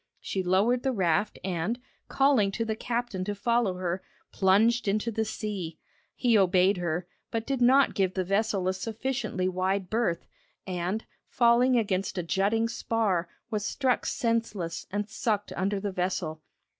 She lowered the raft and, calling to the captain to follow her, plunged into the sea. He obeyed her, but did not give the vessel a sufficiently wide berth, and, falling against a jutting spar, was struck senseless and sucked under the vessel.